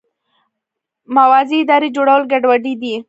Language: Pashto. موازي ادارې جوړول ګډوډي ده.